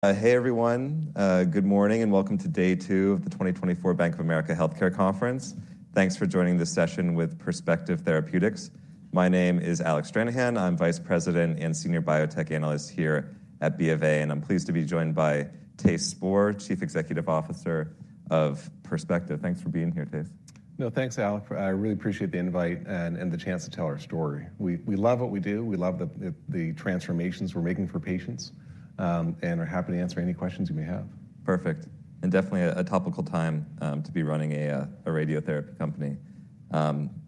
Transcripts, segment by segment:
Hey, everyone. Good morning, and welcome to day 2 of the 2024 Bank of America Healthcare Conference. Thanks for joining this session with Perspective Therapeutics. My name is Alec Stranahan. I'm Vice President and Senior Biotech Analyst here at B of A, and I'm pleased to be joined by Thijs Spoor, Chief Executive Officer of Perspective Therapeutics. Thanks for being here, Thijs. No, thanks, Alec. I really appreciate the invite and the chance to tell our story. We love what we do, we love the transformations we're making for patients, and we're happy to answer any questions you may have. Perfect. Definitely a topical time to be running a radiotherapy company.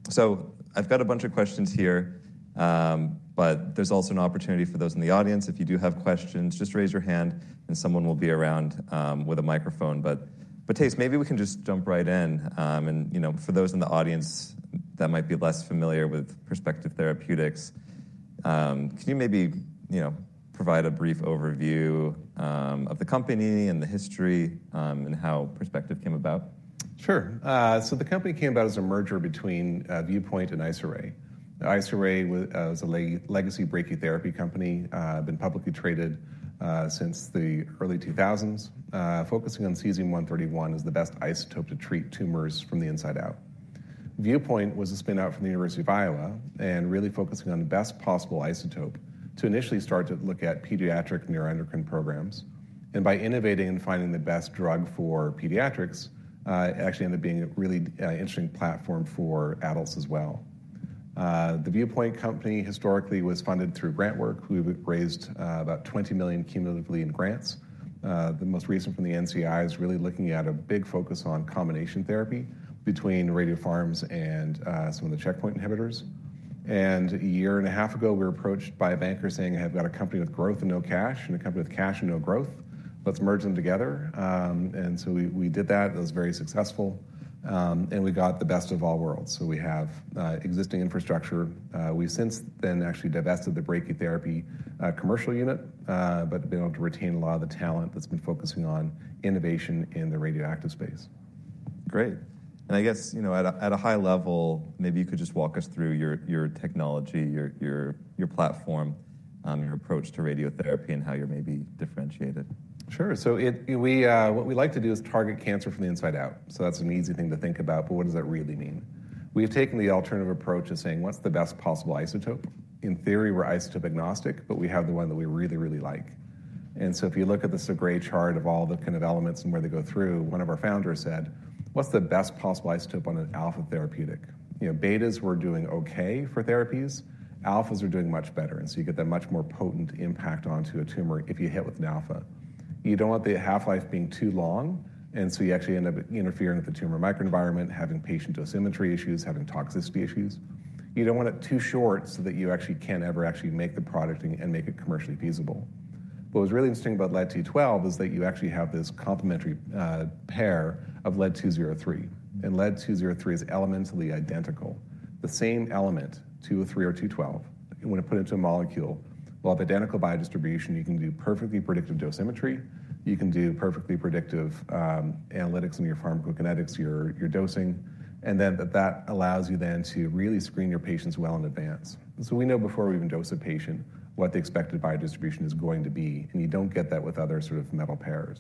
So I've got a bunch of questions here, but there's also an opportunity for those in the audience. If you do have questions, just raise your hand, and someone will be around with a microphone. But Thijs, maybe we can just jump right in. You know, for those in the audience that might be less familiar with Perspective Therapeutics, could you maybe, you know, provide a brief overview of the company and the history, and how Perspective came about? Sure. So the company came about as a merger between Viewpoint and Isoray. Isoray is a legacy brachytherapy company, been publicly traded since the early 2000s, focusing on cesium-131 as the best isotope to treat tumors from the inside out. Viewpoint was a spin-out from the University of Iowa and really focusing on the best possible isotope to initially start to look at pediatric neuroendocrine programs. And by innovating and finding the best drug for pediatrics, it actually ended up being a really interesting platform for adults as well. The Viewpoint company historically was funded through grant work. We've raised about $20 million cumulatively in grants. The most recent from the NCI is really looking at a big focus on combination therapy between radiopharmas and some of the checkpoint inhibitors. A year and a half ago, we were approached by a banker saying, "I've got a company with growth and no cash and a company with cash and no growth. Let's merge them together." So we, we did that. It was very successful, and we got the best of all worlds. We have existing infrastructure. We've since then actually divested the brachytherapy commercial unit, but been able to retain a lot of the talent that's been focusing on innovation in the radioactive space. Great. And I guess, you know, at a high level, maybe you could just walk us through your platform, your approach to radiotherapy and how you're maybe differentiated? Sure. So what we like to do is target cancer from the inside out. So that's an easy thing to think about, but what does that really mean? We've taken the alternative approach of saying: What's the best possible isotope? In theory, we're isotope agnostic, but we have the one that we really, really like. And so if you look at the Segrè chart of all the kind of elements and where they go through, one of our founders said, "What's the best possible isotope on an alpha therapeutic?" You know, betas were doing okay for therapies. Alphas are doing much better, and so you get that much more potent impact onto a tumor if you hit with an alpha. You don't want the half-life being too long, and so you actually end up interfering with the tumor microenvironment, having patient dosimetry issues, having toxicity issues. You don't want it too short, so that you actually can't ever actually make the product and, and make it commercially feasible. What was really interesting about lead-212 is that you actually have this complementary pair of lead-203, and lead-203 is elementally identical. The same element, 203 or 212, you want to put into a molecule. While the identical biodistribution, you can do perfectly predictive dosimetry, you can do perfectly predictive analytics in your pharmacokinetics, your, your dosing, and then that, that allows you then to really screen your patients well in advance. And so we know before we even dose a patient, what the expected biodistribution is going to be, and you don't get that with other sort of metal pairs.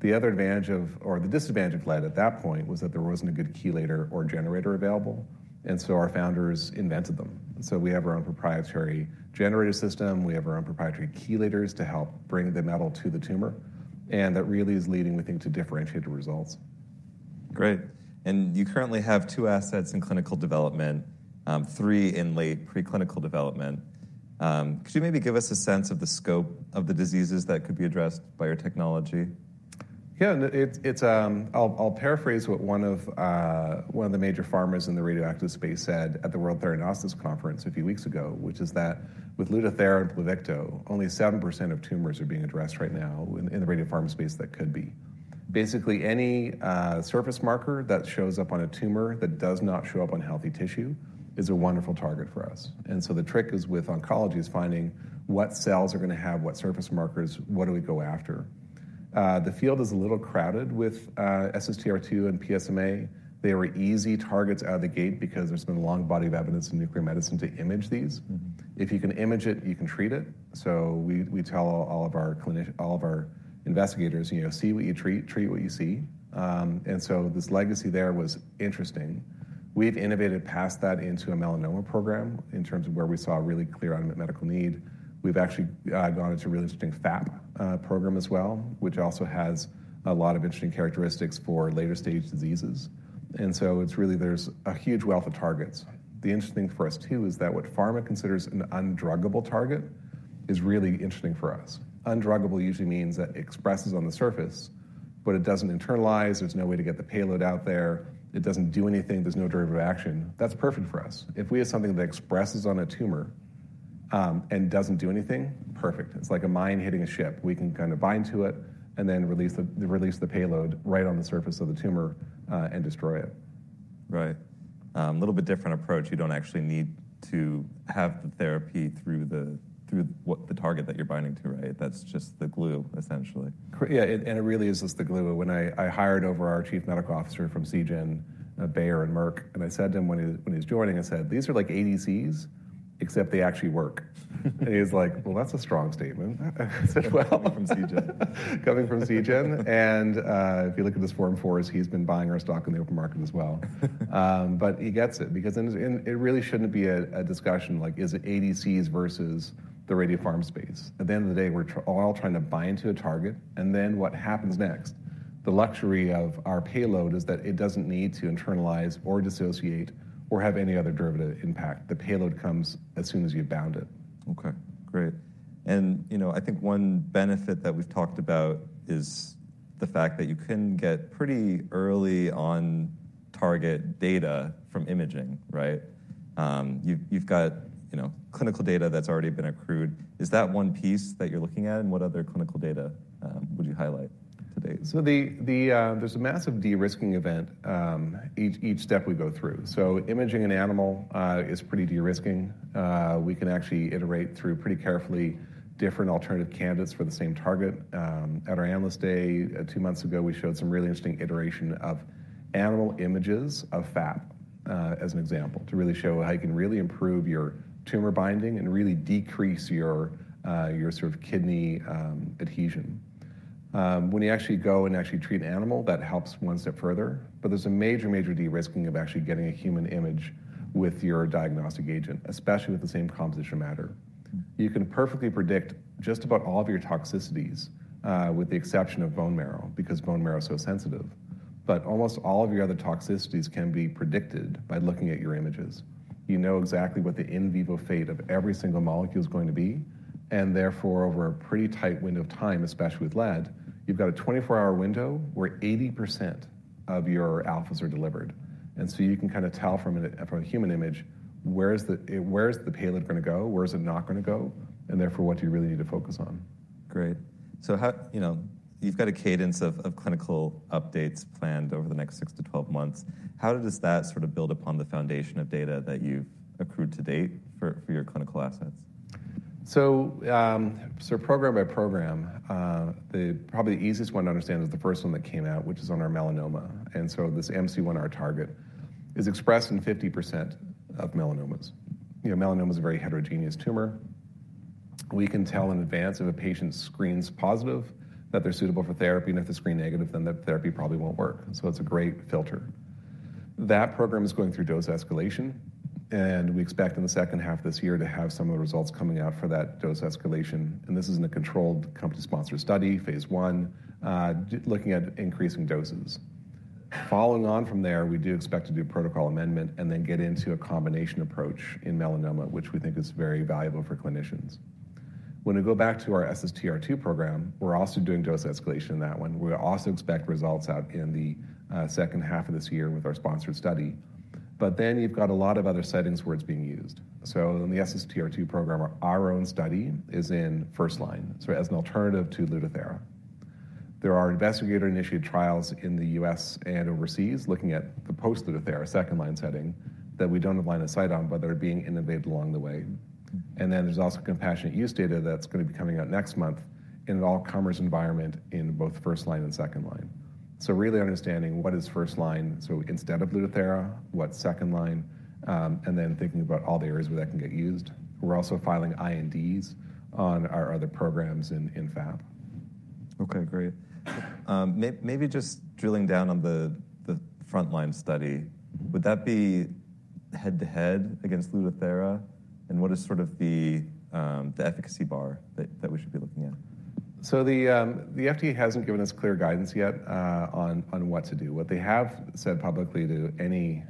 The other advantage of or the disadvantage of lead at that point was that there wasn't a good chelator or generator available, and so our founders invented them. And so we have our own proprietary generator system, we have our own proprietary chelators to help bring the metal to the tumor, and that really is leading, we think, to differentiated results. Great. You currently have two assets in clinical development, three in late preclinical development. Could you maybe give us a sense of the scope of the diseases that could be addressed by your technology? Yeah. And it's... I'll paraphrase what one of the major pharmas in the radioactive space said at the World Theranostics Conference a few weeks ago, which is that with Lutathera and Pluvicto, only 7% of tumors are being addressed right now in the radiopharma space that could be. Basically, any surface marker that shows up on a tumor that does not show up on healthy tissue is a wonderful target for us. And so the trick is, with oncology, is finding what cells are going to have what surface markers, what do we go after? The field is a little crowded with SSTR2 and PSMA. They were easy targets out of the gate because there's been a long body of evidence in nuclear medicine to image these. Mm-hmm. If you can image it, you can treat it. So we tell all of our clinics—all of our investigators, you know, "See what you treat, treat what you see." And so this legacy there was interesting. We've innovated past that into a melanoma program in terms of where we saw a really clear unmet medical need. We've actually gone into a really interesting FAP program as well, which also has a lot of interesting characteristics for later-stage diseases. And so it's really—there's a huge wealth of targets. The interesting for us, too, is that what pharma considers an undruggable target is really interesting for us. Undruggable usually means that it expresses on the surface, but it doesn't internalize. There's no way to get the payload out there. It doesn't do anything. There's no derivative action. That's perfect for us. If we have something that expresses on a tumor and doesn't do anything, perfect. It's like a mine hitting a ship. We can kind of bind to it and then release the payload right on the surface of the tumor and destroy it. Right. A little bit different approach. You don't actually need to have the therapy through what the target that you're binding to, right? That's just the glue, essentially. Yeah, it and it really is just the glue. When I hired our Chief Medical Officer from Seagen, Bayer, and Merck, and I said to him when he was joining, I said, "These are like ADCs?" except they actually work. He's like: "Well, that's a strong statement." I said, "Well- Coming from Seagen. Coming from Seagen, and if you look at this Form 4, he's been buying our stock in the open market as well. But he gets it because then, and it really shouldn't be a discussion like, is it ADCs versus the radiopharm space? At the end of the day, we're all trying to bind to a target, and then what happens next? The luxury of our payload is that it doesn't need to internalize or dissociate or have any other derivative impact. The payload comes as soon as you bound it. Okay, great. And, you know, I think one benefit that we've talked about is the fact that you can get pretty early on target data from imaging, right? You've got, you know, clinical data that's already been accrued. Is that one piece that you're looking at, and what other clinical data would you highlight to date? So there's a massive de-risking event each step we go through. So imaging an animal is pretty de-risking. We can actually iterate through pretty carefully different alternative candidates for the same target. At our analyst day two months ago, we showed some really interesting iteration of animal images of FAP as an example, to really show how you can really improve your tumor binding and really decrease your sort of kidney adhesion. When you actually go and actually treat an animal, that helps one step further, but there's a major, major de-risking of actually getting a human image with your diagnostic agent, especially with the same composition matter. You can perfectly predict just about all of your toxicities with the exception of bone marrow, because bone marrow is so sensitive. But almost all of your other toxicities can be predicted by looking at your images. You know exactly what the in vivo fate of every single molecule is going to be, and therefore, over a pretty tight window of time, especially with lead, you've got a 24-hour window where 80% of your alphas are delivered. And so you can kinda tell from a, from a human image, where is the- where is the payload gonna go, where is it not gonna go, and therefore, what do you really need to focus on? Great. So how... You know, you've got a cadence of clinical updates planned over the next 6-12 months. How does that sort of build upon the foundation of data that you've accrued to date for your clinical assets? So, program by program, probably the easiest one to understand is the first one that came out, which is on our melanoma. And so this MC1R target is expressed in 50% of melanomas. You know, melanoma is a very heterogeneous tumor. We can tell in advance if a patient screens positive, that they're suitable for therapy, and if they screen negative, then the therapy probably won't work. So it's a great filter. That program is going through dose escalation, and we expect in the second half of this year to have some of the results coming out for that dose escalation, and this is in a controlled company-sponsored study, Phase 1, looking at increasing doses. Following on from there, we do expect to do a protocol amendment and then get into a combination approach in melanoma, which we think is very valuable for clinicians. When we go back to our SSTR2 program, we're also doing dose escalation in that one. We also expect results out in the second half of this year with our sponsored study. But then you've got a lot of other settings where it's being used. So in the SSTR2 program, our own study is in first line, so as an alternative to Lutathera. There are investigator-initiated trials in the U.S. and overseas looking at the post-Lutathera second line setting that we don't have line of sight on, but they're being initiated along the way. And then there's also compassionate use data that's gonna be coming out next month in an all-comers environment in both first line and second line. So really understanding what is first line, so instead of Lutathera, what's second line, and then thinking about all the areas where that can get used. We're also filing INDs on our other programs in FAP. Okay, great. Maybe just drilling down on the frontline study, would that be head-to-head against Lutathera? And what is sort of the efficacy bar that we should be looking at? So the FDA hasn't given us clear guidance yet on what to do. What they have said publicly to any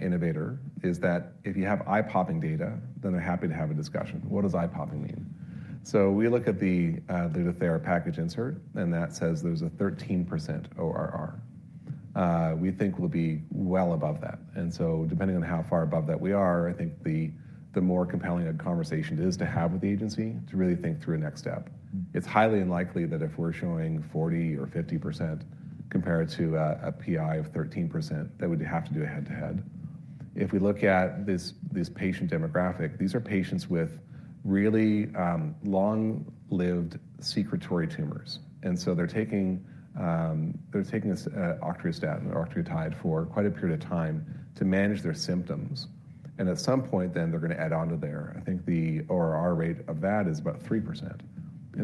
innovator is that if you have eye-popping data, then they're happy to have a discussion. What does eye-popping mean? So we look at the Lutathera package insert, and that says there's a 13% ORR. We think we'll be well above that, and so depending on how far above that we are, I think the more compelling a conversation it is to have with the agency to really think through a next step. Mm. It's highly unlikely that if we're showing 40% or 50% compared to a PI of 13%, that we'd have to do a head-to-head. If we look at this patient demographic, these are patients with really long-lived secretory tumors, and so they're taking this octreotide for quite a period of time to manage their symptoms. At some point then, they're gonna add on to there. I think the ORR rate of that is about 3%.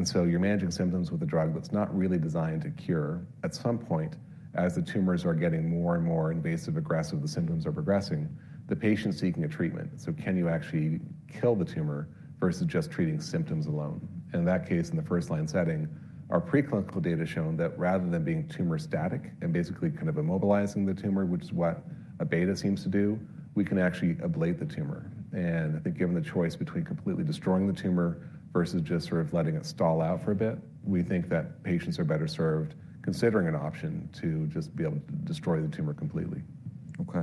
So you're managing symptoms with a drug that's not really designed to cure. At some point, as the tumors are getting more and more invasive, aggressive, the symptoms are progressing, the patient's seeking a treatment. So can you actually kill the tumor versus just treating symptoms alone? In that case, in the first line setting, our preclinical data shown that rather than being tumor-static and basically kind of immobilizing the tumor, which is what a beta seems to do, we can actually ablate the tumor. I think given the choice between completely destroying the tumor versus just sort of letting it stall out for a bit, we think that patients are better served considering an option to just be able to destroy the tumor completely. Okay.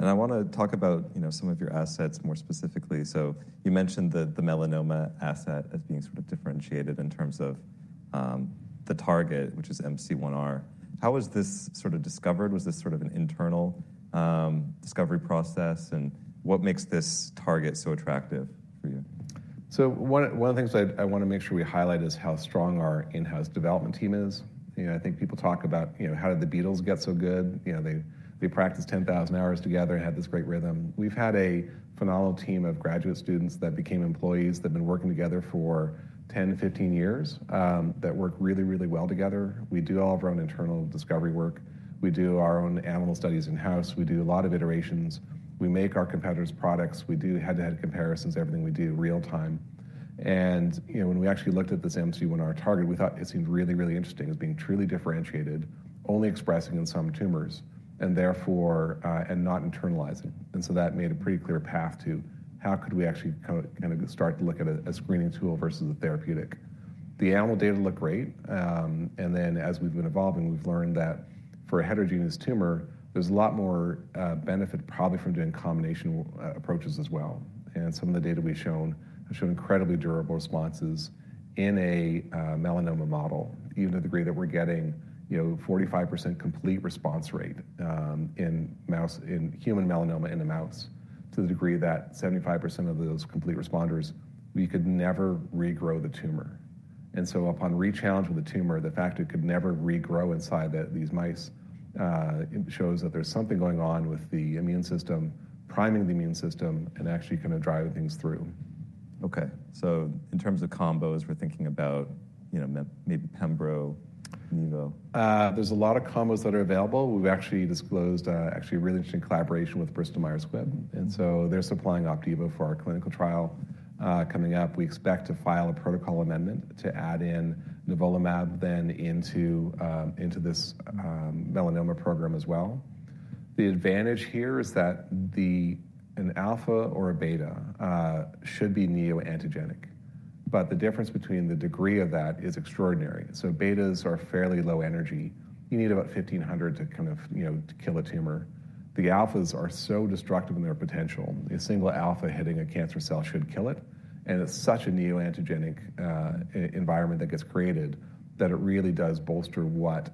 And I wanna talk about, you know, some of your assets more specifically. So you mentioned the melanoma asset as being sort of differentiated in terms of, the target, which is MC1R. How was this sort of discovered? Was this sort of an internal, discovery process, and what makes this target so attractive?... So one of the things I wanna make sure we highlight is how strong our in-house development team is. You know, I think people talk about, you know, how did the Beatles get so good? You know, they practiced 10,000 hours together and had this great rhythm. We've had a phenomenal team of graduate students that became employees that have been working together for 10-15 years, that work really, really well together. We do all of our own internal discovery work. We do our own animal studies in-house. We do a lot of iterations. We make our competitors' products. We do head-to-head comparisons, everything we do real time. You know, when we actually looked at this MC1R, our target, we thought it seemed really, really interesting as being truly differentiated, only expressing in some tumors, and therefore, and not internalizing. So that made a pretty clear path to how could we actually kind of start to look at it as a screening tool versus a therapeutic. The animal data looked great, and then as we've been evolving, we've learned that for a heterogeneous tumor, there's a lot more benefit probably from doing combinational approaches as well. Some of the data we've shown have shown incredibly durable responses in a melanoma model, even to the degree that we're getting, you know, 45% complete response rate in mouse—in human melanoma in the mouse, to the degree that 75% of those complete responders, we could never regrow the tumor. And so upon re-challenge with the tumor, the fact it could never regrow inside these mice, it shows that there's something going on with the immune system, priming the immune system, and actually kinda driving things through. Okay. So in terms of combos, we're thinking about, you know, maybe pembro, nivo. There's a lot of combos that are available. We've actually disclosed, actually, a really interesting collaboration with Bristol Myers Squibb, and so they're supplying Opdivo for our clinical trial. Coming up, we expect to file a protocol amendment to add in nivolumab then into, into this, melanoma program as well. The advantage here is that an alpha or a beta should be neoantigenic, but the difference between the degree of that is extraordinary. So betas are fairly low energy. You need about 1,500 to kind of, you know, to kill a tumor. The alphas are so destructive in their potential. A single alpha hitting a cancer cell should kill it, and it's such a neoantigenic, environment that gets created, that it really does bolster what,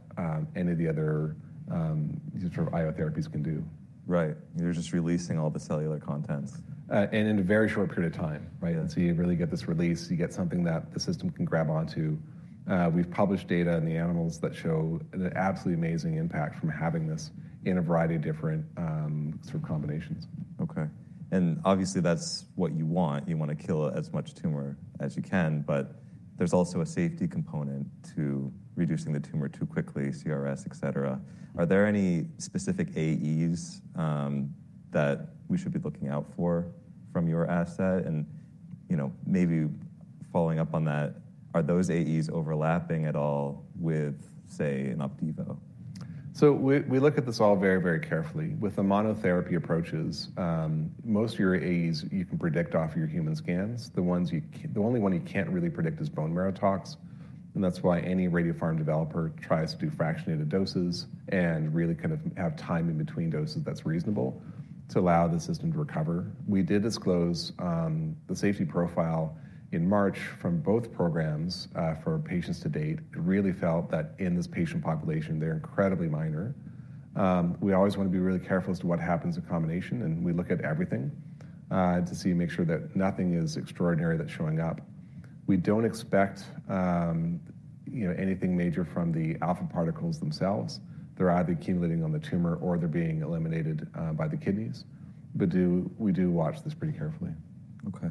any of the other, sort of IO therapies can do. Right. You're just releasing all the cellular contents. In a very short period of time, right? So you really get this release, you get something that the system can grab on to. We've published data on the animals that show an absolutely amazing impact from having this in a variety of different, sort of combinations. Okay. And obviously, that's what you want. You wanna kill as much tumor as you can, but there's also a safety component to reducing the tumor too quickly, CRS, et cetera. Are there any specific AEs that we should be looking out for from your asset? And, you know, maybe following up on that, are those AEs overlapping at all with, say, an Opdivo? So we look at this all very, very carefully. With the monotherapy approaches, most of your AEs, you can predict off your human scans. The only one you can't really predict is bone marrow tox, and that's why any radiopharm developer tries to do fractionated doses and really kind of have time in between doses that's reasonable to allow the system to recover. We did disclose the safety profile in March from both programs for patients to date. It really felt that in this patient population, they're incredibly minor. We always wanna be really careful as to what happens in combination, and we look at everything to see and make sure that nothing is extraordinary that's showing up. We don't expect you know, anything major from the alpha particles themselves. They're either accumulating on the tumor or they're being eliminated by the kidneys. But we do watch this pretty carefully. Okay.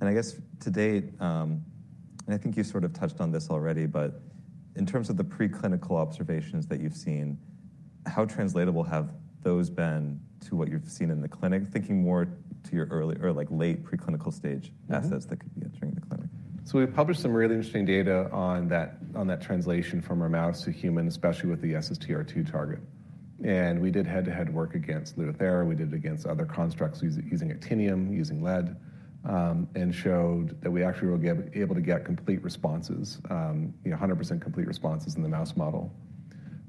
And I guess to date, and I think you've sort of touched on this already, but in terms of the preclinical observations that you've seen, how translatable have those been to what you've seen in the clinic? Thinking more to your early or, like, late preclinical stage- Mm-hmm. assets that could be entering the clinic. So we've published some really interesting data on that, on that translation from our mouse to human, especially with the SSTR2 target. And we did head-to-head work against Lutathera, we did it against other constructs using actinium, using lead, and showed that we actually were able to get complete responses, you know, 100% complete responses in the mouse model.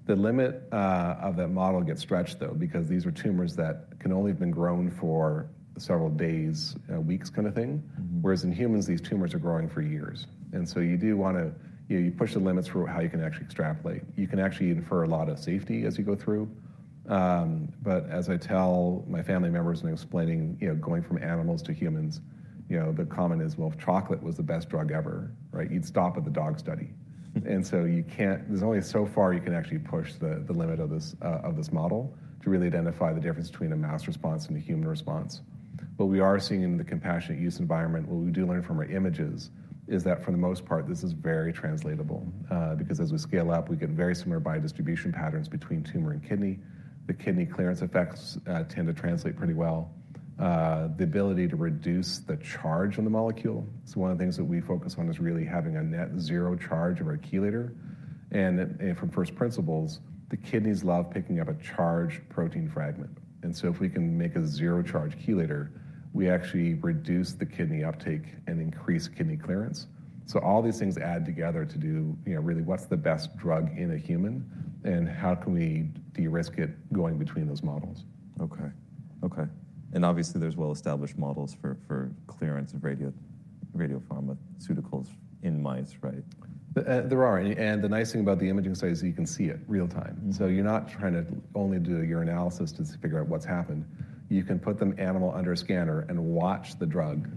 The limit of that model gets stretched, though, because these are tumors that can only have been grown for several days, weeks kind of thing. Mm-hmm. Whereas in humans, these tumors are growing for years. So you do wanna, you know, you push the limits for how you can actually extrapolate. You can actually infer a lot of safety as you go through. But as I tell my family members in explaining, you know, going from animals to humans, you know, the comment is, well, if chocolate was the best drug ever, right, you'd stop at the dog study. So you can't. There's only so far you can actually push the limit of this model to really identify the difference between a mouse response and a human response. But we are seeing in the compassionate use environment, what we do learn from our images, is that for the most part, this is very translatable, because as we scale up, we get very similar biodistribution patterns between tumor and kidney. The kidney clearance effects tend to translate pretty well. The ability to reduce the charge on the molecule, it's one of the things that we focus on, is really having a net zero charge of our chelator. And, and from first principles, the kidneys love picking up a charged protein fragment. And so if we can make a zero charge chelator, we actually reduce the kidney uptake and increase kidney clearance. So all these things add together to do, you know, really, what's the best drug in a human, and how can we de-risk it going between those models? Okay, okay. And obviously, there's well-established models for clearance of radiopharmaceuticals in mice, right? There are, and the nice thing about the imaging study is that you can see it real time. Mm-hmm. So you're not trying to only do a urinalysis to figure out what's happened. You can put the animal under a scanner and watch the drug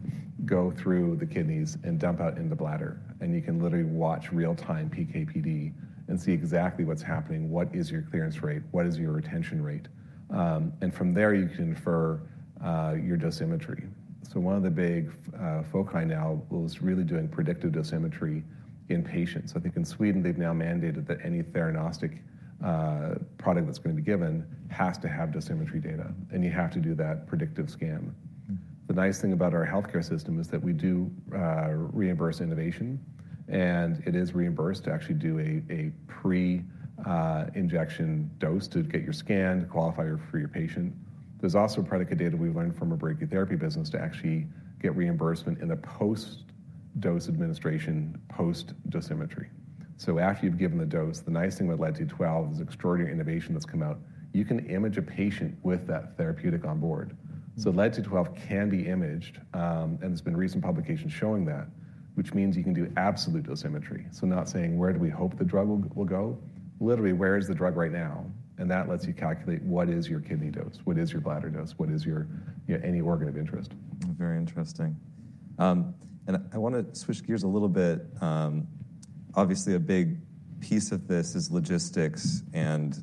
go through the kidneys and dump out in the bladder, and you can literally watch real-time PKPD and see exactly what's happening, what is your clearance rate, what is your retention rate? And from there, you can infer your dosimetry. So one of the big foci now is really doing predictive dosimetry in patients. I think in Sweden, they've now mandated that any theranostic product that's going to be given has to have dosimetry data, and you have to do that predictive scan. Mm-hmm. The nice thing about our healthcare system is that we do reimburse innovation, and it is reimbursed to actually do a pre-injection dose to get your scan, to qualify for your patient. There's also predicate data we learned from our brachytherapy business to actually get reimbursement in a post-dose administration, post-dosimetry. So after you've given the dose, the nice thing with Lead-212 is extraordinary innovation that's come out, you can image a patient with that therapeutic on board. Mm-hmm. So Lead-212 can be imaged, and there's been recent publications showing that, which means you can do absolute dosimetry. So not saying, where do we hope the drug will go? Literally, where is the drug right now? And that lets you calculate what is your kidney dose, what is your bladder dose, what is your any organ of interest. Very interesting. I want to switch gears a little bit. Obviously, a big piece of this is logistics, and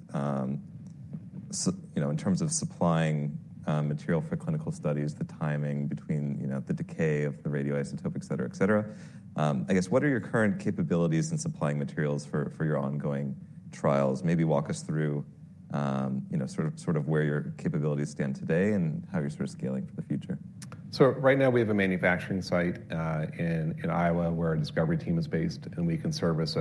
so, you know, in terms of supplying material for clinical studies, the timing between, you know, the decay of the radioisotope, et cetera, et cetera. I guess what are your current capabilities in supplying materials for your ongoing trials? Maybe walk us through, you know, sort of where your capabilities stand today and how you're sort of scaling for the future. So right now, we have a manufacturing site in Iowa, where our discovery team is based, and we can service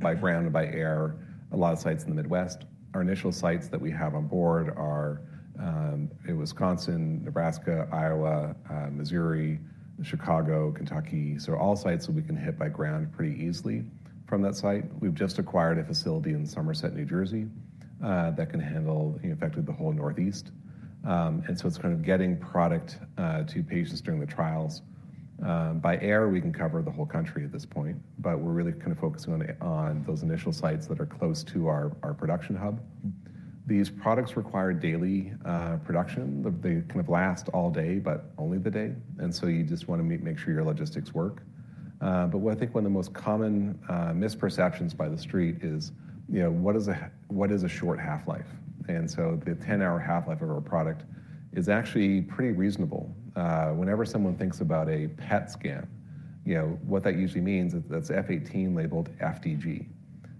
by ground and by air a lot of sites in the Midwest. Our initial sites that we have on board are in Wisconsin, Nebraska, Iowa, Missouri, Chicago, Kentucky, so all sites that we can hit by ground pretty easily from that site. We've just acquired a facility in Somerset, New Jersey, that can handle effectively the whole Northeast. And so it's kind of getting product to patients during the trials. By air, we can cover the whole country at this point, but we're really kind of focusing on those initial sites that are close to our production hub. Mm-hmm. These products require daily production. They kind of last all day, but only the day, and so you just wanna make sure your logistics work. But what I think one of the most common misperceptions by the street is, you know, what is a short half-life? And so the 10-hour half-life of our product is actually pretty reasonable. Whenever someone thinks about a PET scan, you know, what that usually means is that's F-18 labeled FDG.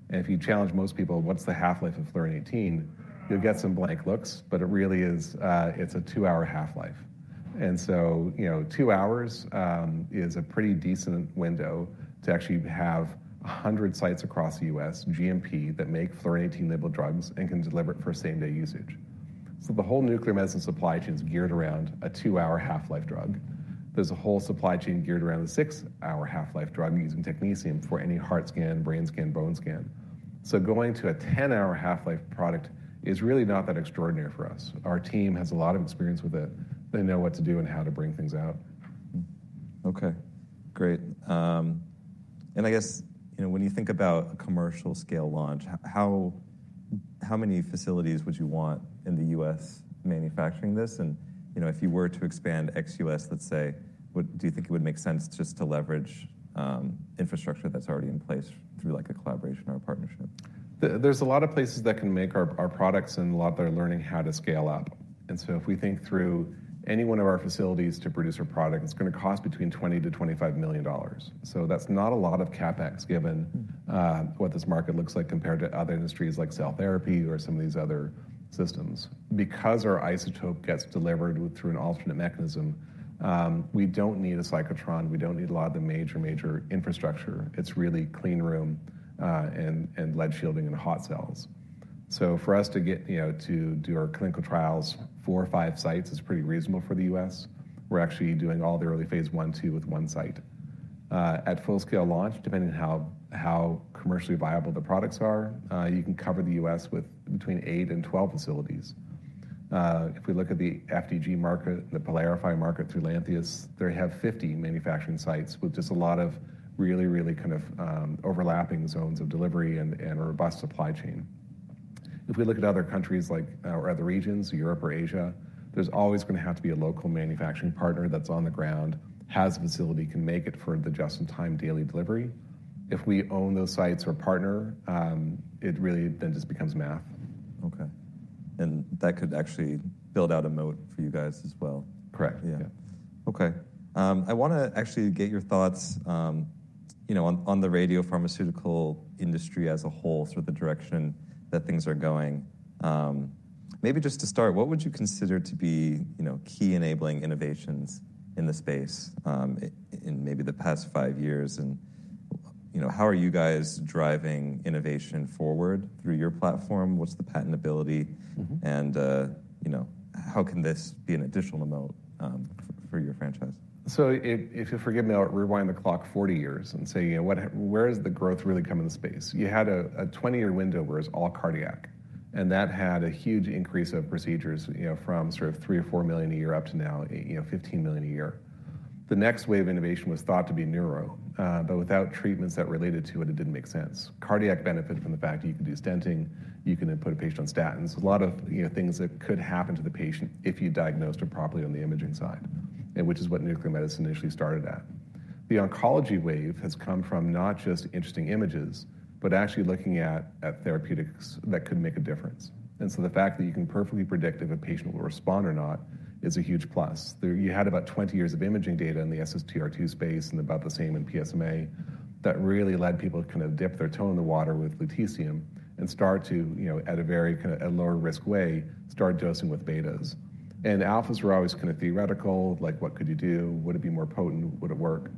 And if you challenge most people, what's the half-life of fluorine-18- Mm-hmm. You'll get some blank looks, but it really is, it's a two-hour half-life. Mm-hmm. And so, you know, 2 hours is a pretty decent window to actually have 100 sites across the U.S., GMP, that make fluorine-18 labeled drugs and can deliver it for same-day usage. So the whole nuclear medicine supply chain is geared around a 2-hour half-life drug. There's a whole supply chain geared around the 6-hour half-life drug using technetium for any heart scan, brain scan, bone scan. So going to a 10-hour half-life product is really not that extraordinary for us. Our team has a lot of experience with it. They know what to do and how to bring things out. Mm-hmm. Okay, great. And I guess, you know, when you think about a commercial scale launch, how many facilities would you want in the U.S. manufacturing this? And, you know, if you were to expand ex-U.S., let's say, do you think it would make sense just to leverage infrastructure that's already in place through, like, a collaboration or a partnership? There's a lot of places that can make our products and a lot that are learning how to scale up. And so if we think through any one of our facilities to produce our product, it's gonna cost between $20 million-$25 million. So that's not a lot of CapEx, given- Mm-hmm... what this market looks like compared to other industries like cell therapy or some of these other systems. Because our isotope gets delivered through an alternate mechanism, we don't need a cyclotron, we don't need a lot of the major infrastructure. It's really clean room, and lead shielding and hot cells. So for us to get, you know, to do our clinical trials, four or five sites is pretty reasonable for the U.S. We're actually doing all the early Phase 1, 2 with one site. At full scale launch, depending on how commercially viable the products are, you can cover the U.S. with between eight and twelve facilities. If we look at the FDG market, the Pylarify market through Lantheus, they have 50 manufacturing sites with just a lot of really, really kind of, overlapping zones of delivery and, and a robust supply chain. If we look at other countries, like, or other regions, Europe or Asia, there's always gonna have to be a local manufacturing partner that's on the ground, has a facility, can make it for the just-in-time daily delivery. If we own those sites or partner, it really then just becomes math. Okay. And that could actually build out a moat for you guys as well. Correct. Yeah. Yeah. Okay, I wanna actually get your thoughts, you know, on, on the radiopharmaceutical industry as a whole, sort of the direction that things are going. Maybe just to start, what would you consider to be, you know, key enabling innovations in the space, in maybe the past five years, and, you know, how are you guys driving innovation forward through your platform? What's the patentability? Mm-hmm. You know, how can this be an additional moat for your franchise? So if, if you'll forgive me, I'll rewind the clock 40 years and say, you know, what where does the growth really come in the space? You had a 20-year window where it was all cardiac, and that had a huge increase of procedures, you know, from sort of 3 or 4 million a year up to now, you know, 15 million a year. The next wave of innovation was thought to be neuro, but without treatments that related to it, it didn't make sense. Cardiac benefit from the fact that you can do stenting, you can then put a patient on statins. A lot of, you know, things that could happen to the patient if you diagnosed it properly on the imaging side, and which is what nuclear medicine initially started at. The oncology wave has come from not just interesting images, but actually looking at, at therapeutics that could make a difference. And so the fact that you can perfectly predict if a patient will respond or not is a huge plus. You had about 20 years of imaging data in the SSTR2 space and about the same in PSMA. That really led people to kind of dip their toe in the water with lutetium and start to, you know, at a very, kind of, a lower risk way, start dosing with betas. And alphas were always kind of theoretical, like, what could you do? Would it be more potent? Would it work?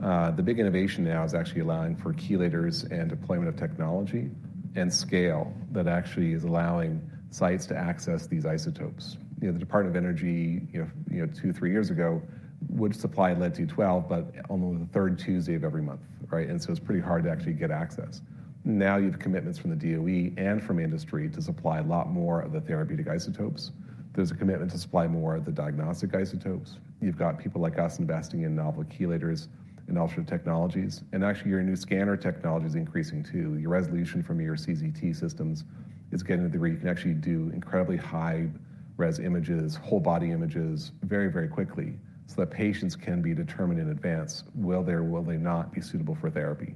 The big innovation now is actually allowing for chelators and deployment of technology and scale that actually is allowing sites to access these isotopes. You know, the Department of Energy, you know, you know, 2, 3 years ago, would supply Lead-212, but only on the third Tuesday of every month, right? And so it's pretty hard to actually get access. Now, you have commitments from the DOE and from industry to supply a lot more of the therapeutic isotopes. There's a commitment to supply more of the diagnostic isotopes. You've got people like us investing in novel chelators and ultra technologies, and actually, your new scanner technology is increasing, too. Your resolution from your CZT systems is getting to where you can actually do incredibly high-res images, whole-body images, very, very quickly, so that patients can be determined in advance, will they or will they not be suitable for therapy?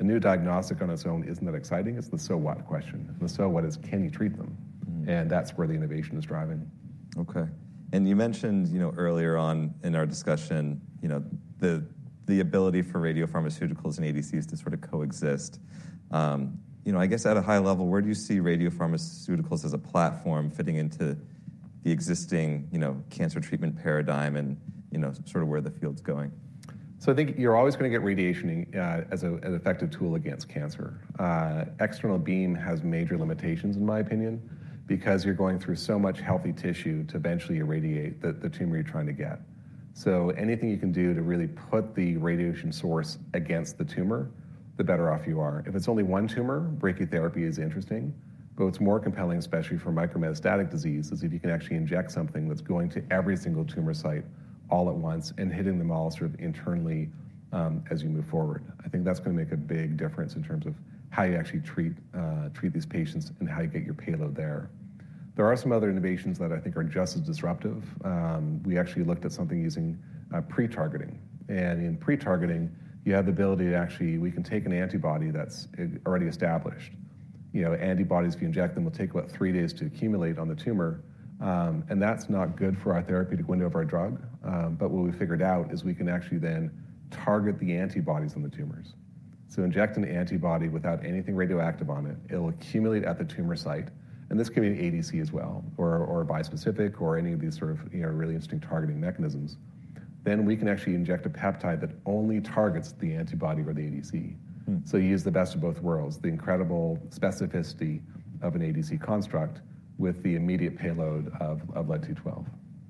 A new diagnostic on its own isn't that exciting. It's the so what question. The so what is can you treat them? Mm-hmm. That's where the innovation is driving. Okay. And you mentioned, you know, earlier on in our discussion, you know, the ability for radiopharmaceuticals and ADCs to sort of coexist. You know, I guess at a high level, where do you see radiopharmaceuticals as a platform fitting into the existing, you know, cancer treatment paradigm and, you know, sort of where the field's going? So I think you're always gonna get radiation as an effective tool against cancer. External beam has major limitations, in my opinion, because you're going through so much healthy tissue to eventually irradiate the tumor you're trying to get. So anything you can do to really put the radiation source against the tumor, the better off you are. If it's only one tumor, brachytherapy is interesting, but what's more compelling, especially for micrometastatic disease, is if you can actually inject something that's going to every single tumor site all at once and hitting them all sort of internally as you move forward. I think that's gonna make a big difference in terms of how you actually treat these patients and how you get your payload there. There are some other innovations that I think are just as disruptive. We actually looked at something using pre-targeting, and in pre-targeting, you have the ability to actually, we can take an antibody that's already established. You know, antibodies, if you inject them, will take about three days to accumulate on the tumor, and that's not good for our therapeutic window of our drug. But what we figured out is we can actually then target the antibodies on the tumors. So inject an antibody without anything radioactive on it, it'll accumulate at the tumor site, and this can be an ADC as well or a bispecific or any of these sort of, you know, really interesting targeting mechanisms. Then we can actually inject a peptide that only targets the antibody or the ADC. Hmm. You use the best of both worlds, the incredible specificity of an ADC construct with the immediate payload of Lead-212.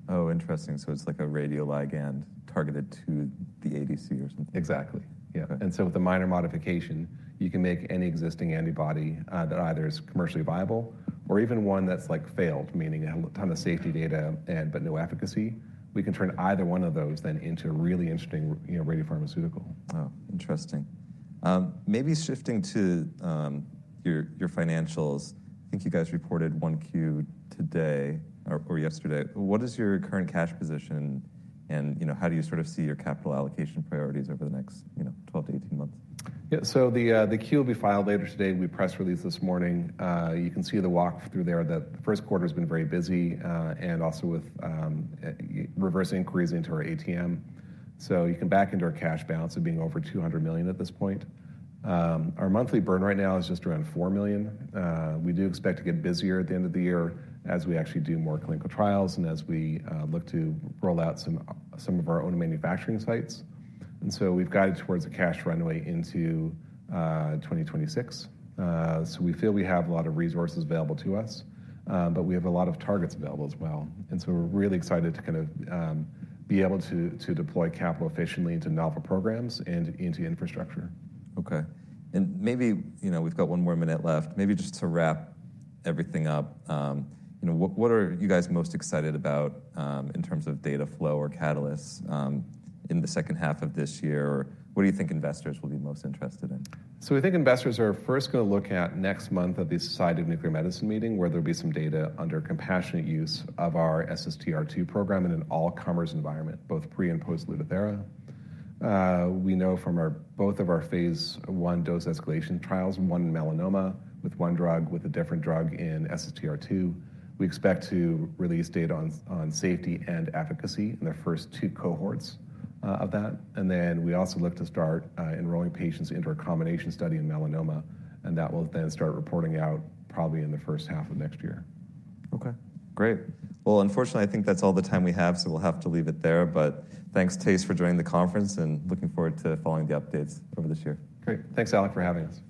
Oh, interesting. So it's like a radioligand targeted to the ADC or something? Exactly. Yeah. Okay. And so with a minor modification, you can make any existing antibody that either is commercially viable or even one that's, like, failed, meaning it had a ton of safety data and but no efficacy. We can turn either one of those then into a really interesting, you know, radiopharmaceutical. Oh, interesting. Maybe shifting to your financials, I think you guys reported 1Q today or yesterday. What is your current cash position, and, you know, how do you sort of see your capital allocation priorities over the next, you know, 12-18 months? Yeah. So the Q will be filed later today. We press released this morning. You can see the walk-through there, that the first quarter's been very busy, and also with reverse inquiries into our ATM. So you can back into our cash balance of being over $200 million at this point. Our monthly burn right now is just around $4 million. We do expect to get busier at the end of the year as we actually do more clinical trials and as we look to roll out some of our own manufacturing sites. And so we've guided towards a cash runway into 2026. So we feel we have a lot of resources available to us, but we have a lot of targets available as well. And so we're really excited to kind of be able to deploy capital efficiently into novel programs and into infrastructure. Okay. And maybe... You know, we've got one more minute left. Maybe just to wrap everything up, you know, what, what are you guys most excited about, in terms of data flow or catalysts, in the second half of this year? What do you think investors will be most interested in? So I think investors are first gonna look at next month at the Society of Nuclear Medicine meeting, where there'll be some data under compassionate use of our SSTR2 program in an all-comers environment, both pre- and post-Lutathera. We know from our, both of our Phase I dose escalation trials, one in melanoma with one drug, with a different drug in SSTR2, we expect to release data on, on safety and efficacy in the first two cohorts, of that. And then we also look to start, enrolling patients into our combination study in melanoma, and that will then start reporting out probably in the first half of next year. Okay, great. Well, unfortunately, I think that's all the time we have, so we'll have to leave it there. But thanks, Thijs, for joining the conference, and looking forward to following the updates over this year. Great. Thanks, Alec, for having us.